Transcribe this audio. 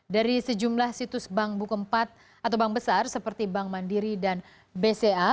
dari sejumlah situs bank buku empat atau bank besar seperti bank mandiri dan bca